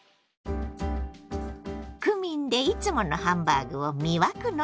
クミンでいつものハンバーグを魅惑の一皿に。